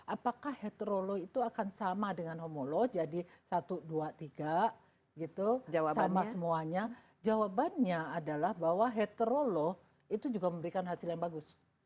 apakah heterolog itu akan sama dengan homolo jadi satu dua tiga gitu sama semuanya jawabannya adalah bahwa heterolog itu juga memberikan hasil yang bagus